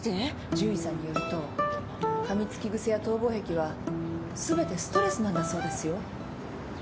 獣医さんによるとかみつき癖や逃亡癖はすべてストレスなんだそうですよ。